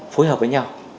phối hợp với nhau